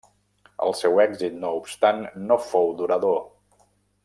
El seu èxit no obstant no fou durador.